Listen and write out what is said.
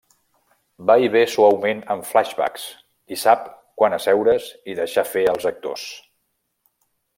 Va i ve suaument amb flashbacks i sap quan asseure's i deixar fer als actors.